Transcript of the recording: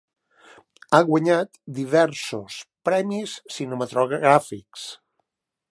Ha guanyat diversos premis cinematogràfics.